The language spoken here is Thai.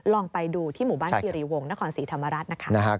ลองไปดูที่หมู่บ้านคิริวงศ์นครศรีธรรมราชนะคะ